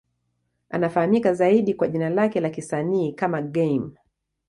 Anafahamika zaidi kwa jina lake la kisanii kama Game.